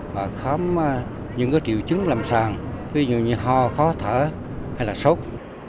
nếu mà những cái triệu chứng làm sàng ví dụ như ho khó thở hay là sốc